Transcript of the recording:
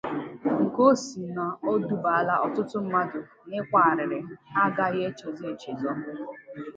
nke ọ sị na o dubaala ọtụtụ mmadụ n'ịkwa àrịrị ha agaghị echezọ echezọ